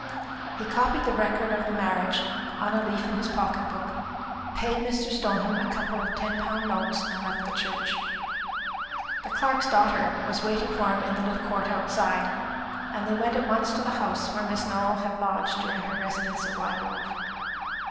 He copied the record of the marriage on a leaf in his pocket book, paid Mr. Stoneham a couple of ten pound notes, and left the church. The clerk's daughter was waiting for him in the little court outside, and they went at once to the house where Miss Nowell had lodged during her residence at Wygrove.